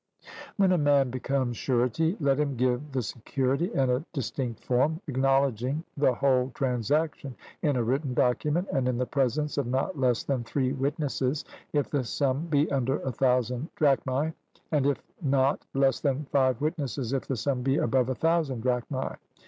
When a man becomes surety, let him give the security in a distinct form, acknowledging the whole transaction in a written document, and in the presence of not less than three witnesses if the sum be under a thousand drachmae, and of not less than five witnesses if the sum be above a thousand drachmae.